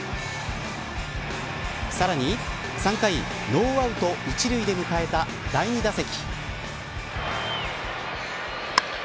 さらに３回ノーアウト一塁で迎えた第２打席。